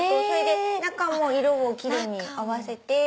中も色を奇麗に合わせて。